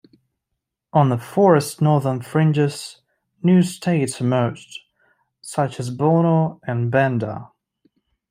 On the forests northern fringes, new states emerged such as Bono and Banda.